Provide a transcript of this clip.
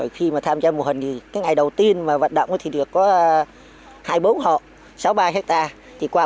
khi mà tham gia mô hình thì cái ngày đầu tiên mà vận động thì được có hai bốn hộ sáu bảy hectare